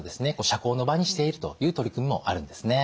社交の場にしているという取り組みもあるんですね。